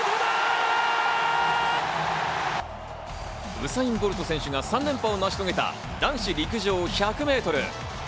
ウサイン・ボルト選手が３連覇を成し遂げた男子陸上１００ｍ。